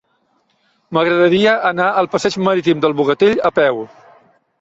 M'agradaria anar al passeig Marítim del Bogatell a peu.